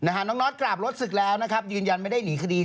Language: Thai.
ยังไม่กลับเหรอน้องน็อตกราบรถสึกแล้วนะครับยืนยันไม่ได้หนีคดี